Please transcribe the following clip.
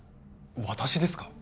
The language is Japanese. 私ですか？